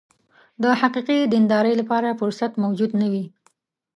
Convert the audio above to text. د حقیقي دیندارۍ لپاره فرصت موجود نه وي.